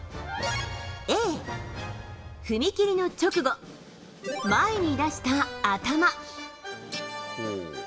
Ａ、踏み切りの直後、前に出した頭。